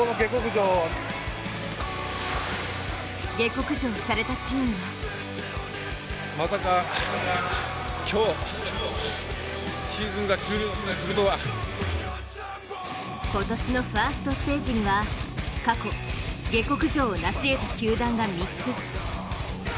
下克上されたチームは今年のファーストステージには過去、下克上をなしえた球団が３つ。